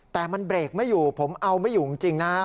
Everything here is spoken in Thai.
แต่มันเบรกไม่อยู่ผมเอาไม่อยู่จริงนะครับ